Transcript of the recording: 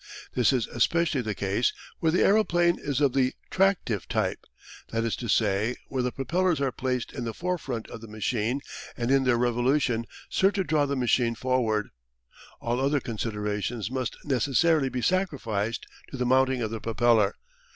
This is especially the case where the aeroplane is of the tractive type, that is to say where the propellers are placed in the forefront of the machine and in their revolution serve to draw the machine forward. All other considerations must necessarily be sacrificed to the mounting of the propeller.